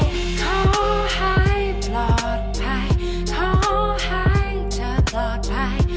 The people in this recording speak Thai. ขอให้ปลอดภัยขอให้เธอปลอดภัย